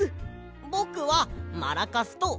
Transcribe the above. ぼくはマラカスとボール！